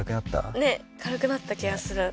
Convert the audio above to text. ねっ軽くなった気がする。